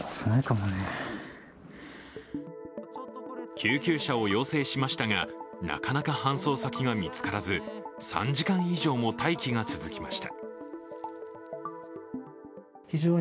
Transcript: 救急車を要請しましたが、なかなか搬送先が見つからず３時間以上も待機が続きました。